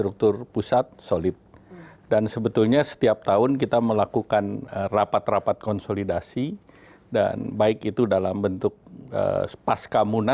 kalau di laut pasang nama